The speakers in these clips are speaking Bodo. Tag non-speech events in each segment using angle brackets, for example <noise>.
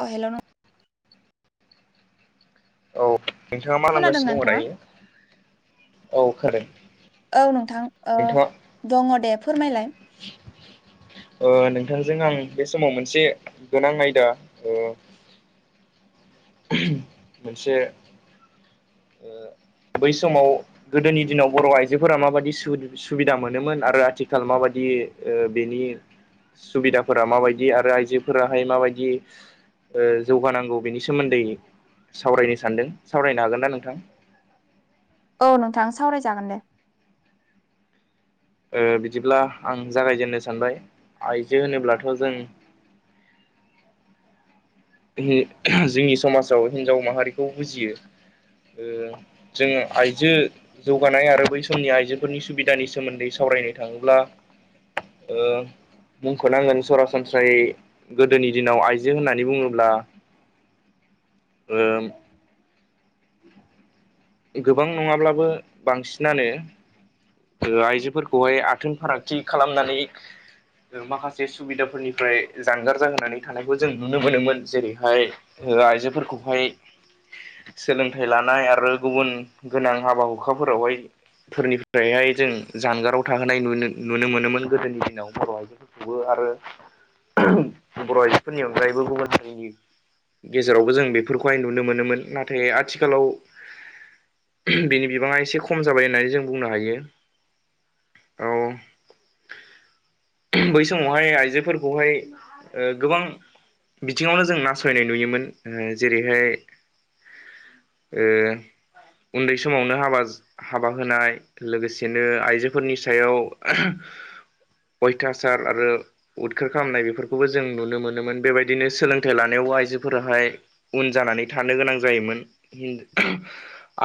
अ हेल' नों औ नोंथाङा मा खोनादोंना लामगासिनो नोंथाङा दङ दायो औ खोनादों औ नोंथां ओ नोंथाङा दङ दे फोरमायलाय नोंथांजों आं बे समाव मोनसे गोनां आयदा ओ मोनसे ओ बै समाव गोदोनि दिनाव बर' आइजोफोरा माबायदि सुबिदा मोनोमोन आरो आथिखाल माबायदि ओ बेनि सुबिदाफोरा माबायदि आरो आइजोफोराहाय माबायदि ओ जौगानांगौ बेनि सो सोमोन्दै सावरायनो सानदों सावरायनो हागोन ना नोंथां औ नोंथां सावरायजागोन दे ओ बिदिब्ला आं जागायजेननो सानबाय आइजो होनोब्लाथ' जों जोंनि समाजाव हिन्जाव माहारिखौ बुजियो ओ जोङो आइजो जौगानाय आरो बै समनि आइजेंफोरनि सुबिदानि सोमोन्दै सावरायनो थाङोब्ला ओ मुंख'नांगोन सरासनस्रायै गोदोनि दिनाव आइजो होननानै बुङो ब्ला ओ गोबां नङाब्लाबो बांसिनानो आइजोफोरखौहाय आथोन फारागथि खालामनानै जों माखासे सुबिदाफोरनिफ्राय जानगार जाहोनानै थानायखौ जों नुनो मोनोमोन जेरैहाय ओ आइजोफोरखौहाय सोलोंथाइ लानाय आरो गुबुन गोनां हाबा हुखाफोरावहाय फोरनिफ्रायहाय जों जानगाराव थाहोनाय नु नुनो मोनोमोन गोदोनि दिनाव बर' आजो खौबो आरो बर' आइजोफोरनि अनगायैबो गुबुन हारिनि गेजेरावबो जों बेफोरखौहाय नुनो मोनोमोन नाथाय आथिखालाव बिनि बिबाङा एसे खम जाबाय होननानै जों बुंनो हायो। औ <inaudible> बै समावहाय आइजोफोरखौहाय ओ गोबां बिथिङावनो जों नासयनाय नुयोमोन जेरैहाय ओ उन्दै समावनो हाबा हाबा होनाय लोगोसेनो आइजोफोरनि सायाव अयथासार आरो उदखार खालामनाय बेफोरखौबो जों नुनो मोनोमोन बेबायदिनो सोलोंथाइ लानायाव आइजोफोराहाय उन जानानै थानो गोनां जायोमोन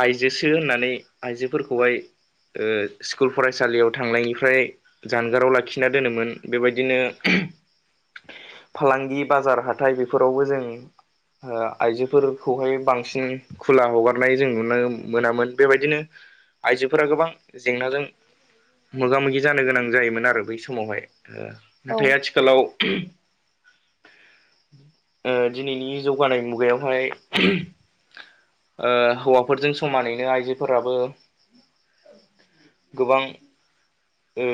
आइजोसो होननानै आइजोफोरखौहाय ओ स्कुल फरायसालियाव थांनायनिफ्राय जानगाराव लाखिना दोनोमोन बेबायदिनो फालांगि बाजार हाथाय बेफोरावबो जों ओ आइजोफोरखौहाय बांसिन खुला हगारनाय जों नु मोनामोन बेबायदिनो आइजोफोरा गोबां जेंनाजों मोगा मोगि जानो गोनां जायोमोन आरो बै समावहाय औ नाथाय आथिखालाव ओ दिनैनि जौगानाय मुगायावहाय ओ हौवाफोरजों समानैनो आइजोफोराबो गोबां ओ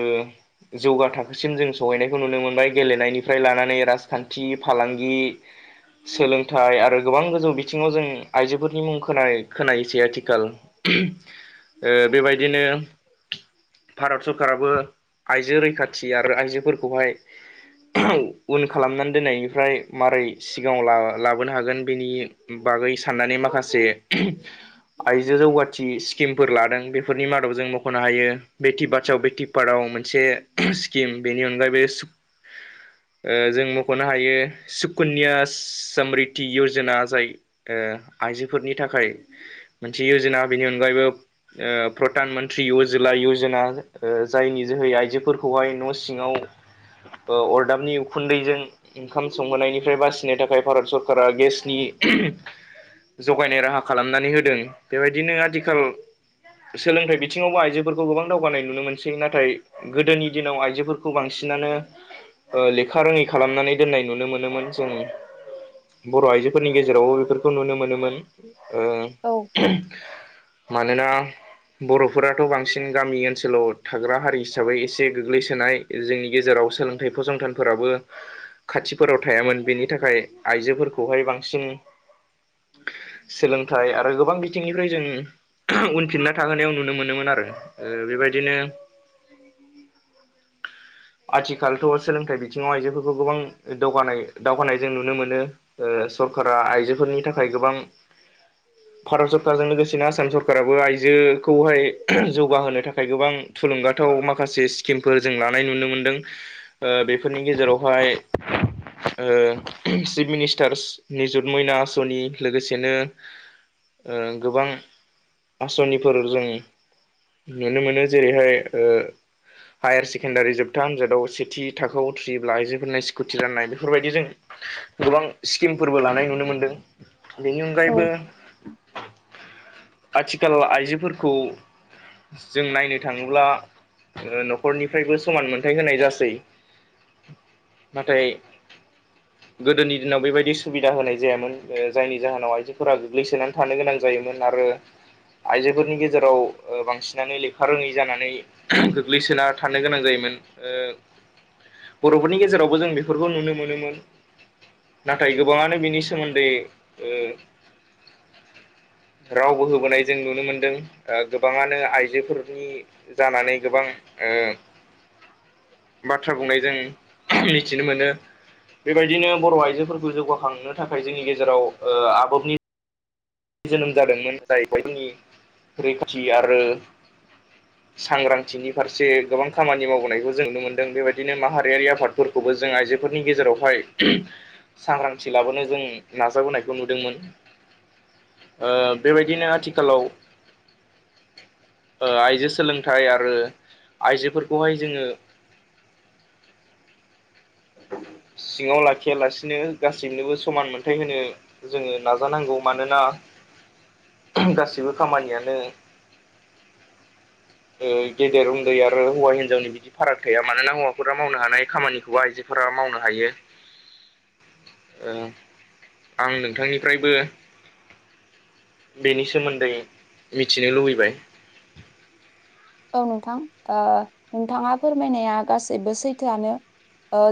जौगा थाखोसिम जों सहैनायखौ नुनो मोनबाय गेलेनायनिफ्राय लानानै राजखान्थि फालांगि सोलोंथाइ आरो गोबां गोजौ बिथिङाव जों आइजोफोरनि मुं खोनायो खोनायोसै आथिखाल बेबायदिनो भारत सरकाराबो आइजो रैखाथि आरो आइजोफोरखौहाय उन खालामनानै दोननायनिफ्राय मारै सिगाङाव लाबोनो हागोन बेनि बागै साननानै माखासे आइजो जौगाथि स्किमफोर लादों बेफोरनि मादाव जों मख'नो हायो बेटि बच्चाव बेटि सुपारआव मोनसे स्किम बेनि अनगायैबो <inaudible> जों मख'नो हायो सुकुन्यास सामृति य'जना जाय आइजोफोरनि थाखाय मोनसे य'जना बेनि अनगायैबो प्रधान मन्त्रि अजला यजना जायनि जोहै आइजोफोरखौहाय न' सिङाव अरदाबनि उखुन्दैजों ओंखाम संहोनायनिफ्राय बासिनो थाखाय भारत सरकारा गेसनि जगायनाय राहा खालामनानै होदों बेबायदिनो आथिखाल सोलोंथाइ बिथिङावबो आइजोफोरखौ गोबां दावगानाय नुनो मोनसै नाथाय गोदोनि दिनाव आइजोफोरखौ बांसिनानो ओ लेखा रोङि खालामनानै दोननाय नुनो मोनोमोन जों बर' आइजोफोरनि गेजेरावबो बेफोरखौ नुनो मोनोमोन औ मानोना बर'फोराथ' बांसिन गामि ओनसोलाव थाग्रा हारि हिसाबै एसे गोग्लैसोनाय जोंनि गेजेराव सोलोंथाइ फसंथानफोराबो खाथिफोराव थायामोन बेनि थाखाय आइजोफोरखौहाय बांसिन सोलोंथाइ आरो गोबां बिथिंनिफ्राय जों उनफिनना थाहोनायाव नुनो मोनोमोन आरो बेबायदिनो <inaudible> आथिखालथ' सोलोंथाइ बिथिङाव आइजोफोरखौ गोबां दावगानाय दावगानाय जों नुनो मोनो ओ सरकारा आइजोफोरनि थाखाय गोबां भारत सरकारजों लोगोसेनो आसाम सरकाराबो आइजोखौहाय जौगाहोनो थाखाय गोबां थुलुंगाथाव माखासे स्किमफोर जों लानाय नुनो मोन्दों बेफोरनि गेजेरावहाय चिफ मिनिस्टार् निजुत मयना आस'नि लोगोसे बिदिनो गोबां आसनिफोर जों नुनो मोनो जेरैहाय हायार सेकेण्डारि जोबथा आनजादाव सेथि थाखोआव थ्र्रियोब्ला आइजोफोरनि स्कुटि राननाय बेफोरबायदिजों गोबां स्किमफोरबो लानाय नुनो मोनदों बेनि औ अनगायैबो आथिखाल आइजोफोरखौ जों नायनो थाङोब्ला न'खरनिफ्रायबो समान मोनथाय होनाय जासै नाथाय गोदोनि दिनाव बेबायदि सुबिदा होनाय जायामोन जायनि जाहोनाव आइजोफोरा गोग्लैसोनानै थानो गोनां जायोमोन आरो आइजोफोरनि गेजेराव बांसिनानो लेखा रोङै जानानै गोग्लैसोना थानो गोनां जायोमोन बर'फोरनि गेजेरावबो जों बेफोरखौ नुनो मोनोमोन नाथाय गोबाङानो बिनि सोमोन्दै <inaudible> रावबो होबोनाय जों नुनो मोनदों गोबाङानो आइजोफोरनि जानानै गोबां बाथ्रा बुंनाय जों मिथिनो मोनो बेबायदिनो बर' आइजोफोरखौ जौगाखांनो थाखाय जोंनि गेजेराव आदबनि जोनोम जादोंमोन जाहैबाय जोंनि रैखाथि आरो <inaudible> सांग्रांथिनि फारसे गोबां खामानि मावबोनायखौ जों नुनो मोनदों बेबायदिनो माहारियारि आफाद फोरखौबो जों आइजोफोरनि गेजेरावहाय सांग्रांथि लाबोनो जों नाजाबोनायखौ नुदोंमोन बेबायदिनो आथिखालाव आइजो सोलोंथाइ आरो आइजोफोरखौहाय जोङो सिङाव लाखियालासिनो गासैनोबो समान मोनथाय होनो जोङो नाजानांगौ मानोना गासिबो खामानियानो <inaudible> गेदेर उन्दै आरो हौवा हिन्जावनि बिदि फाराग थाया मानोना हौवाफोरा मावनो हानाय खामानिखौबो आइजो फोरा मावनो हायो आं नोंथांनिफ्रायबो बेनि सोमोन्दै मिथिनो लुबैबाय औ नोंथां नोंथाङा फोरमायनाया गासैबो सैथोआनो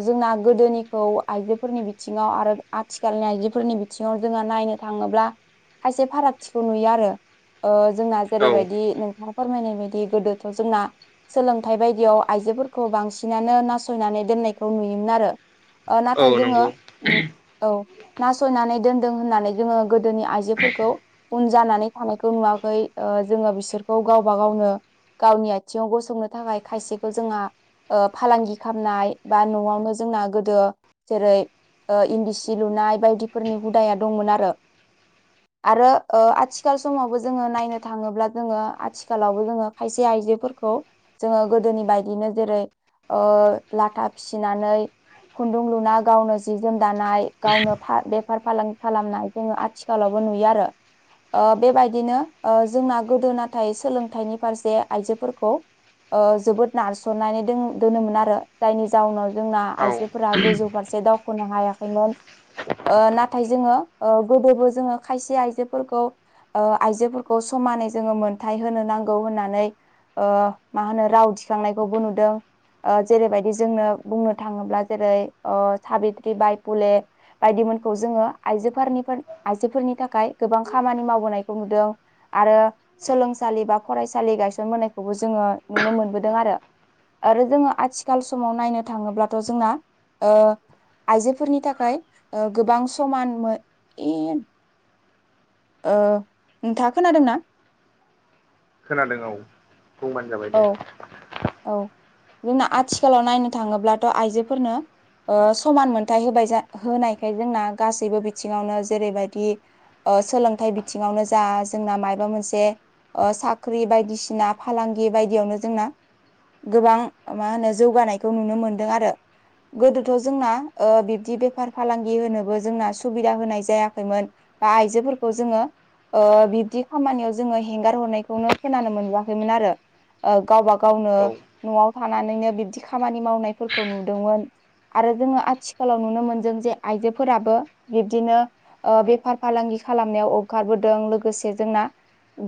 जोंना गोदोनिखौ आइजोफोरनि बिथिङाव आरो आथिखालनि आइजोफोरनि बिथि आथिङाव जोङो नायनो थाङोब्ला खायसे फारागथिखौ नुयो आरो जोंना औ जेरैबायदि नोंथाङा फोरमायनाय बायदि गोदोथ' जोंना सोलोंथाइ बायदियाव आइजोफोरखौ बांसिनानो नासयनानै दोननायखौ नुयोमोन आरो औ नाथाय जोङो नंगौ औ नासयनानै दोनदों होननानै जोङो गोदोनि आइजोफोरखौ उन जानानै थानायखौ नुवाखै जोङो बिसोरखौ गावबा गावनो गावनि आथिङाव गसंनो थाखाय खायसेखौ जोंहा फालांगि खालामनाय बा न'आवनो जोंना गोदो जेरै इन्दि सि लुनाय बायदिफोरनि हुदाया दंमोन आरो आरो आथिखाल समावबो जोङो नायनो थाङोब्ला जोङो आथिखालावबो जोङो खायसे आइजोफोरखौ जोङो गोदोनि बायदिनो जेरै ओ लाथा फिसिनानै खुन्दुं लुना गावनो जि जोम दानाय गावनो बेफार फालांगि खालामनाय जोंङो आथिखालावबो नुयो आरो बेबायदिनो जोंना गोदो नाथाय सोलोंथाइनि फारसे आइजोफोरखौ ओ जोबोद नारसननानै दोनोमोन आरो जायनि जाउनाव जोंना औ आइजो फोर गोजौ फारसे दावख'नो हायाखैमोन नाथाय जोंङो गोदोबो जोंङो खायसे आइजोफोरखौ ओ आइजोफोरखौ समानै जोंङो मोन्थाय होनो नांगौ होननानै मा होनो राव दिखांनायखौबो नुदों। जेरैबायदि जोंनो बुंनो थांङोब्ला जेरै साबत्रि बायफुले बायदि मोनखौ जोंङो आइजोफोरनिफोर आइजोफोरनि थाखाय गोबां खामानि मावबोनायखौ नुदों। आरो सोलोंसालि बा फरायसालि गायसनबोनायखौबो जोंङो नुनो मोनबोदों आरो आरो जोंङो आथिखाल समाव नायनो थांङोब्लाथ' जोंना आइजोफोरनि थाखाय गोबां समान नोंथांङा खोनादों ना खोनादों औ बुंबानो जाबाय औ दे औ जोंना आथिखालाव नायनो थांङोब्लाथ' आइजोफोरनो समान मोनथाय होबाय होनायखाय जोंना गासैबो बिथिंङावनो जेरैबायदि सोलोंथाइ बिथिंङावनो जा जोंना मायबा मोनसे साख्रि बायदिसिना फालांगि बायदियावनो जोंना गोबां मा होनो जौगानायखौ नुनो मोनदों आरो गोदोथ' जोंना ओ बिब्दि बेफार फालांगि होनोबो जोंना सुबिदा होनाय जायाखैमोन बा आइजोफोरखौ जोंङो बिब्दि खामानियाव जोंङो हेंगार हरनायखौनो खोनानो मोनबोआखैमोन आरो गावबा गावनो औ न'आव थानानैनो बिब्दि खामानि मावनायफोरखौ नुदोंमोन। आरो जोंङो आथिखालाव नुनो मोनदों जे आइजोफोराबो बिब्दिनो बेफार फालांगि खालामनायाव हखारबोदों लोगोसे जोंना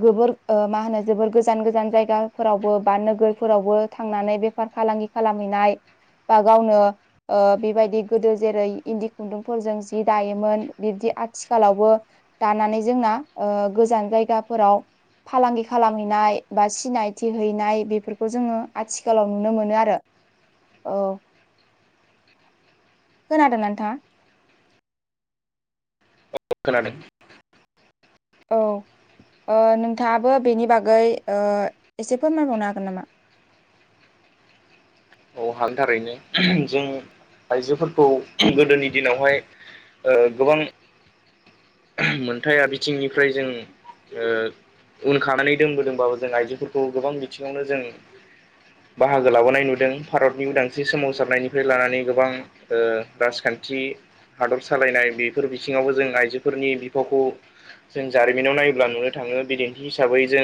गोबोर मा होनो जोबोर गोजान गोजान जायगाफोरावबो बा नो फोरावबो थांनानै बेफार फालांगि खालामहैनाय बा गावनो ओ बेबायदि गोदो जेरै इन्दि खुन्दुंफोरजों जि दायोमोन बिबदि आथिखालावबो दानानै जोंना ओ गोजान जायगाफोराव फालांगि खालामहैनाय बा सिनायथि हैनाय बेफोरखौ बेखौ जोंङो आथिखालाव नुनो मोनो आरो औ खोनादों नोंथांङा खोनादों औ नोंथांङाबो बेनि बागै एसे फोरमायबावनो हागोन नामा? औ हानि थाखायनो जों आइजोफोरखौ गोदोनि दिनावहाय गोबां मोनथाया बिथिंनिफ्राय जों उनखानानै दोनबोदोंबाबो जों आइजोफोरखौ गोबां बिथिंङावनो जों बाहागो लाबोनाय नुदों। भारतनि उदांस्रि सोमावसारनायनिफ्राय लानानै गोबां राजखान्थि हादर सालायनाय बेफोर बिथिंङावबो जों आइजोफोरनि बिफावखौ जों जारिमिनाव नायोब्ला नुनो थांङो बिदिन्थि हिसाबै जों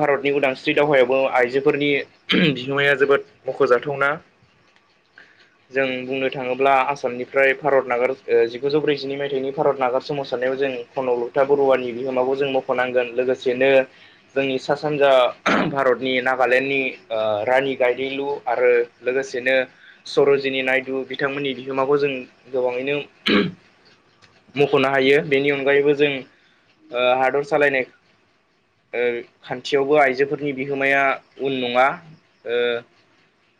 भारतनि उदांस्रि दावहायावबो आइजोफोरनि बिहोमाया जोबोद मख'जाथावना <inaudible> जों बुंनो थांङोब्ला आसामनिफ्राय भारत नागार जिगुजौ ब्रैजिनै मायथाइनि भारत नागार सोमावसारनायाव जों खनलथा बरुवनि बिहोमाबो जों मख'नांगोन लोगोसेनो जोंनि सा सानजा भारतनि नागालेण्डनि रानि गायदुलु आरो लोगोसेनो सर'जिनि नाइदु बिथांमोननि बिहोमाखौ जों गोबाङैनो मख'नो हायो बेनि अनगायैबो जों हादर सालायनाय खान्थियावबो आइजोफोरनि बिहोमाया उन नङा